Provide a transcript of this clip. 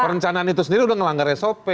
perencanaan itu sendiri sudah melanggar sop